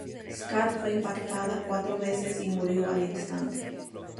Scott fue impactada cuatro veces y murió al instante.